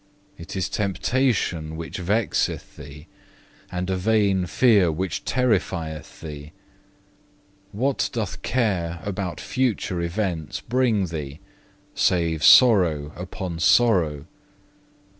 It is temptation which vexeth thee, and a vain fear which terrifieth thee. What doth care about future events bring thee, save sorrow upon sorrow?